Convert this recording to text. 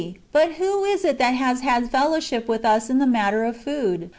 But who is it that has had fellowship with us in the matter of food